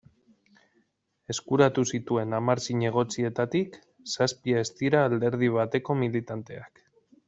Eskuratu zituen hamar zinegotzietatik, zazpi ez dira alderdi bateko militanteak.